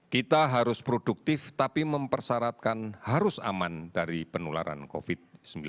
kita harus produktif tapi mempersyaratkan harus aman dari penularan covid sembilan belas